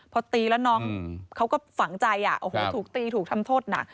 พอตีแล้วน้องเขาก็ฝังใจโอ้โหถูกตีถูกทำโทษหนัก